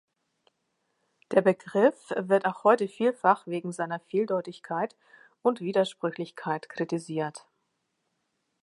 Der Begriff wird auch heute vielfach wegen seiner Vieldeutigkeit und Widersprüchlichkeit kritisiert.